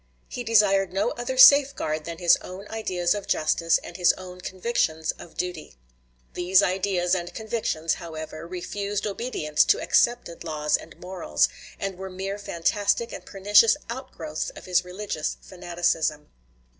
He desired no other safeguard than his own ideas of justice and his own convictions of duty. These ideas and convictions, however, refused obedience to accepted laws and morals, and were mere fantastic and pernicious outgrowths of his religious fanaticism.